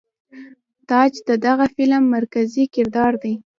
تاج د دغه فلم مرکزي کردار دے.